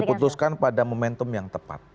diputuskan pada momentum yang tepat